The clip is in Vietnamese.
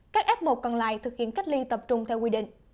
các f một còn lại thực hiện cách ly tập trung theo quy định